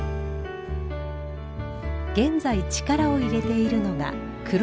現在力を入れているのが黒谷紙布。